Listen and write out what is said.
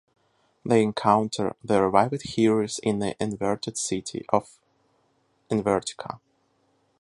They encounter the revived heroes in the inverted city of 'Invertica'.